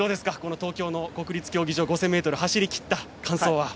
東京の国立競技場５０００ｍ走りきった感想は。